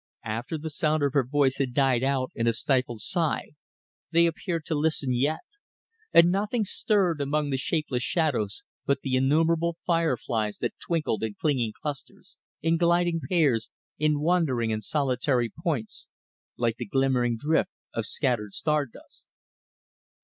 After the sound of her voice had died out in a stifled sigh they appeared to listen yet; and nothing stirred among the shapeless shadows but the innumerable fireflies that twinkled in changing clusters, in gliding pairs, in wandering and solitary points like the glimmering drift of scattered star dust.